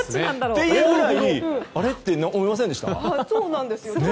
っていうぐらいあれ？って思いませんでした？